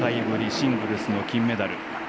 シングルスの金メダル。